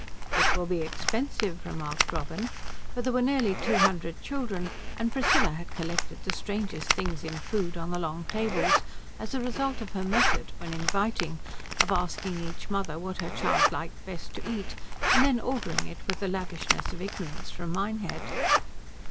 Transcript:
"It will be expensive," remarked Robin; for there were nearly two hundred children, and Priscilla had collected the strangest things in food on the long tables as a result of her method, when inviting, of asking each mother what her child best liked to eat and then ordering it with the lavishness of ignorance from Minehead.